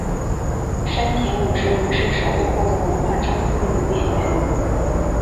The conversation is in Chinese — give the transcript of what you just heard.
山田五十铃是首位获得文化勋章的女演员。